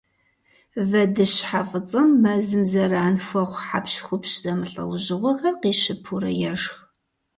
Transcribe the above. Вэдыщхьэфӏыцӏэм мэзым зэран хуэхъу хьэпщхупщ зэмылӏэужьыгъуэхэр къищыпурэ ешх.